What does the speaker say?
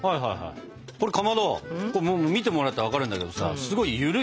これかまど見てもらったら分かるんだけどさすごいゆるい。